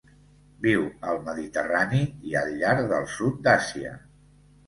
Viu al Mediterrani i al llarg del sud d'Àsia.